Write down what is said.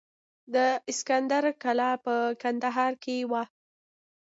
د اسکندر کلا په کندهار کې وه